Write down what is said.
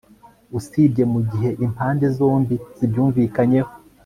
Usibye mu gihe impande zombi zibyumvikanyeho